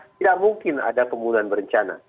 tidak mungkin ada pembunuhan berencana